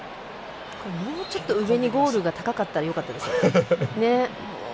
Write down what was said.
もうちょっと上にゴールが高かったらよかった。